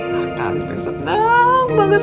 makan seneng banget